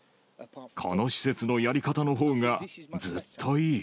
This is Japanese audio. この施設のやり方のほうが、ずっといい。